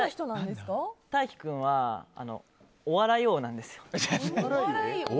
大樹君は、お笑い王なんです。